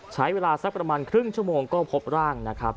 ใช้เวลาสักประมาณครึ่งชั่วโมงก็พบร่างนะครับ